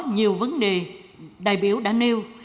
nhiều vấn đề đại biểu đã nêu